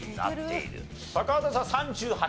高畑さん３８。